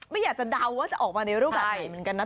ไม่อยากจะเดาว่าจะออกมาในรูปแบบไหนเหมือนกันนะ